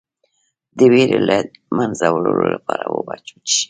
د ویرې د له منځه وړلو لپاره اوبه وڅښئ